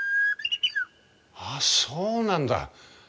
あそうなんだ。